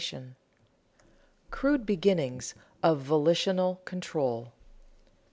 [Sidenote: Crude beginnings of volitional control] 3.